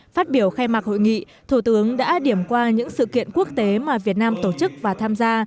phát biểu khai mạc hội nghị thủ tướng đã điểm qua những sự kiện quốc tế mà việt nam tổ chức và tham gia